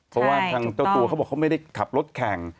เพราะว่าทางเจ้าตัวเขาบอกเขาไม่ได้ขับรถแข่ง